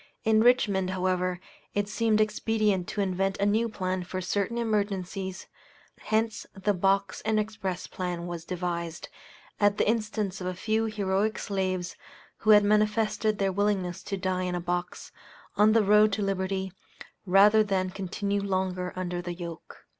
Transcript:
In Richmond, however, it seemed expedient to invent a new plan for certain emergencies, hence the Box and Express plan was devised, at the instance of a few heroic slaves, who had manifested their willingness to die in a box, on the road to liberty, rather than continue longer under the yoke.